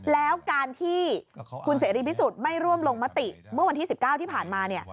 แล้วการที่คุณเสรีพิสุทธิ์ไม่ร่วมลงมติเมื่อวันที่๑๙ที่ผ่านมา